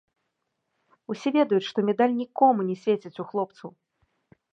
Усе ведаюць, што медаль нікому не свеціць у хлопцаў.